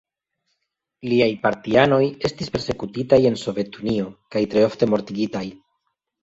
Liaj partianoj estis persekutitaj en Sovetunio, kaj tre ofte mortigitaj.